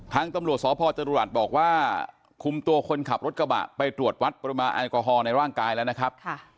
ทางตำรวจสพจรุรัสบอกว่าคุมตัวคนขับรถกระบะไปตรวจวัดปริมาณแอลกอฮอลในร่างกายแล้วนะครับ